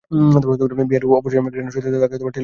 বিহারী অপরিসীম ঘৃণার সহিত তাহাকে ঠেলিয়া দিয়া চলিয়া গেল।